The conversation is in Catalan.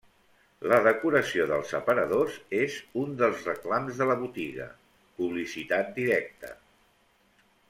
La decoració dels aparadors és un dels reclams de la botiga, publicitat directa.